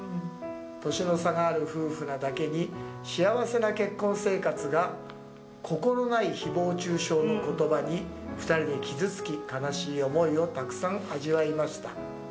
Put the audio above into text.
年の差がある夫婦なだけに幸せな結婚生活が心ない誹謗中傷の言葉に２人で傷つき悲しい思いをたくさん味わいました。